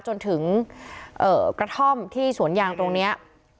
จนถึงกระท่อมที่สวนยางตรงนี้